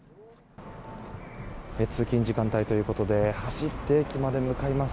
通勤時間帯ということで走って駅まで向かいます。